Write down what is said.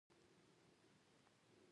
آنلاین قاموسونه ډېر ګټور دي.